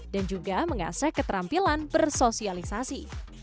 dan juga mengasah keterampilan bersosialisasi